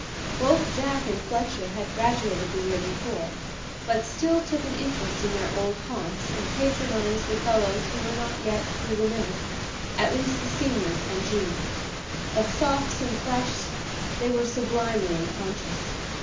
Both Jack and Fletcher had graduated the year before, but still took an interest in their old haunts, and patronized the fellows who were not yet through the mill, at least the Seniors and Juniors; of Sophs and Freshs they were sublimely unconscious.